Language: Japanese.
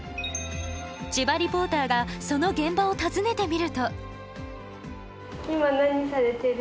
千葉リポーターがその現場を訪ねてみると。